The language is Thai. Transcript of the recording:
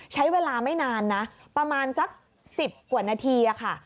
ใช้เวลาไม่นานนะประมาณสัก๑๐กว่านาทีค่ะ